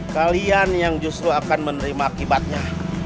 kalian yang justru akan menerima akibatnya